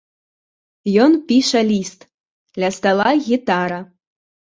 Ён піша ліст, ля стала гітара.